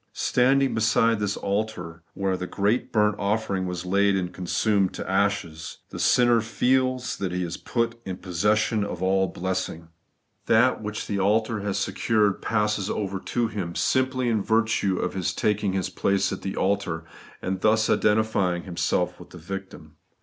Standing beside this altar where the great burnt offering was laid and consumed to ashes, the sinner feels that he is put in possession of all blessing. That which the altar has secured passes over to him simply in virtue of his taking his place at the altar, and thus identifying himself with the victim.